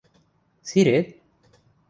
— Сирет?